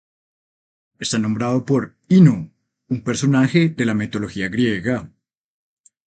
Está nombrado por Ino, un personaje de la mitología griega.